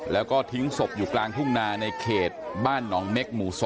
แล้วก็ทิ้งศพอยู่กลางทุ่งนาในเขตบ้านหนองเม็กหมู่๒